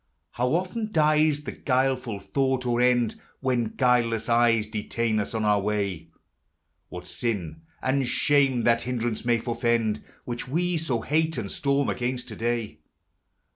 How often dies the guileful thought or end When guileless eyes detain us on our way I What sin and shame that hindrance may forefend, Which we SO hate and storm against to day